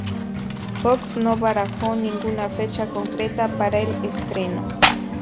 Fox no barajó ninguna fecha concreta para el estreno.